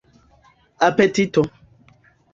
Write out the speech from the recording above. apetito